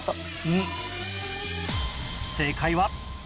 正解は